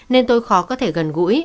nên tôi khó có thể gần gũi